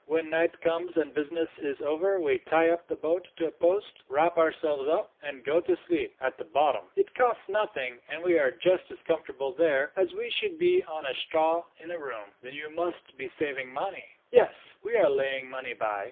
When night comes, and business is over, we tie up the boat to a post, wrap ourselves up, and go to sleep at the bottom. It costs nothing, and we are just as comfortable there as we should be on straw in a room." "Then you must be saving money." "Yes; we are laying money by.